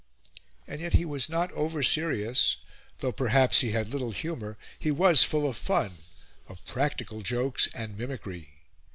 And yet he was not over serious; though, perhaps, he had little humour, he was full of fun of practical jokes and mimicry.